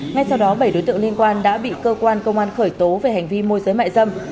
ngay sau đó bảy đối tượng liên quan đã bị cơ quan công an khởi tố về hành vi môi giới mại dâm